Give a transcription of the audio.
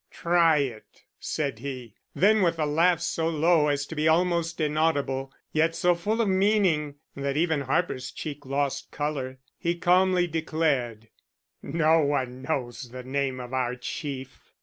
"Try it," said he. Then with a laugh so low as to be almost inaudible, yet so full of meaning that even Harper's cheek lost color, he calmly declared: "No one knows the name of our Chief.